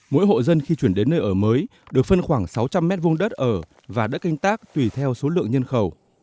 mỗi hộ dân khi chuyển đến nơi ở mới được phân khoảng sáu trăm linh m hai đất ở và đất canh tác tùy theo số lượng nhân khẩu